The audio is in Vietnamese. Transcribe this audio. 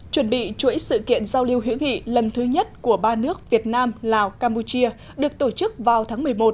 chuẩn bị chuỗi sự kiện giao lưu hữu nghị lần thứ nhất của ba nước việt nam lào campuchia được tổ chức vào tháng một mươi một